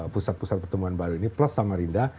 pusat pusat pertumbuhan baru ini plus samarinda